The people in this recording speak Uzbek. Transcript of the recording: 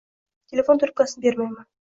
Telefon trubkasini berayapman.